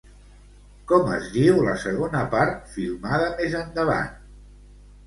Com es diu la segona part filmada més endavant?